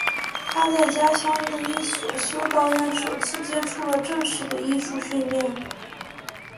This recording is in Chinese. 他在家乡的一所修道院首次接触了正式的艺术训练。